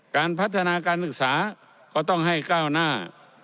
การพัฒนาการศึกษาก็ต้องให้ก้าวหน้า